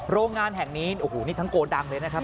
โรงงานแห่งนี้โอ้โหนี่ทั้งโกดังเลยนะครับ